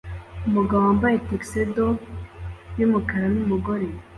Umugabo wambaye tuxedo yumukara numugore